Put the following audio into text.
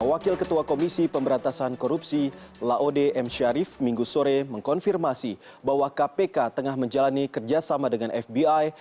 wakil ketua komisi pemberantasan korupsi laode m syarif minggu sore mengkonfirmasi bahwa kpk tengah menjalani kerjasama dengan fbi